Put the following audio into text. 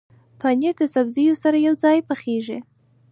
پنېر د سبزیو سره یوځای پخېږي.